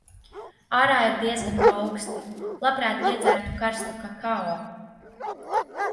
Ārā ir diezgan auksti. Labprāt iedzertu karstu kakao.